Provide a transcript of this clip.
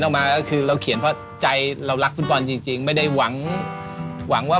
ทงชาติไทยจะพักตระงานวันที่ยิ่งใย